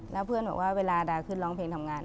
แล้วเพื่อนบอกว่าเวลาดาขึ้นร้องเพลงทำงาน